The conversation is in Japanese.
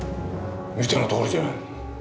見てのとおりじゃ。